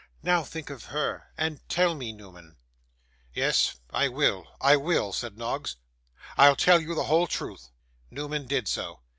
Now think of her, and tell me, Newman.' 'Yes, I will, I will,' said Noggs. 'I'll tell you the whole truth.' Newman did so.